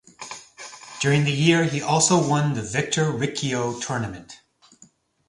During the year he also won the Victor Riccio Tournament.